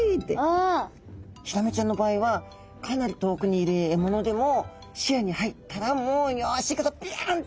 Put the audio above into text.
ヒラメちゃんの場合はかなり遠くにいる獲物でも視野に入ったらもうよし行くぞピヤンとこう飛びかかる。